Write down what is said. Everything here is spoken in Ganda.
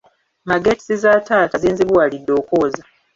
Mageetisi za taata zinzibuwalidde okwoza.